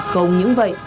không những vậy